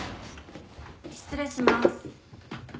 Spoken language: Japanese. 失礼します。